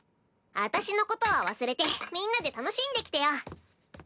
私のことは忘れてみんなで楽しんできてよ。